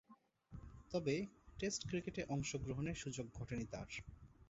তবে, টেস্ট ক্রিকেটে অংশগ্রহণের সুযোগ ঘটেনি তার।